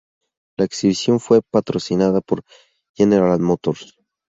La exhibición fue patrocinada por General Motors.